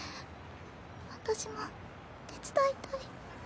私も手伝いたい。